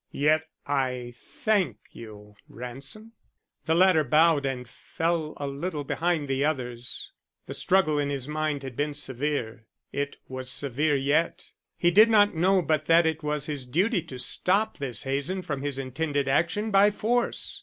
Yet I thank you, Ransom." The latter bowed and fell a little behind the others. The struggle in his mind had been severe; it was severe yet; he did not know but that it was his duty to stop this Hazen from his intended action by force.